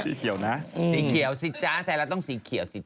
สีเขียวนะสีเขียวสิจ๊ะแต่ละต้องสีเขียวสิจ๊ะ